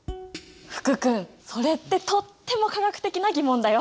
福君それってとっても化学的な疑問だよ！